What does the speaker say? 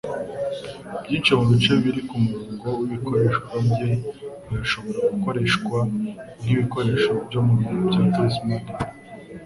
Byinshi mubice biri kumurongo wibikoresho bye birashobora gukoreshwa nkibikoresho byo mu biro bya Chris Madden.